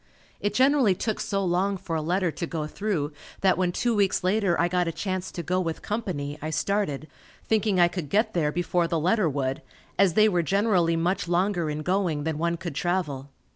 It generally took so long for a letter to go through that when two weeks later I got a chance to go with company, I started, thinking I could get there before the letter would, as they were generally much longer in going than one could travel.